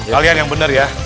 kalian yang bener ya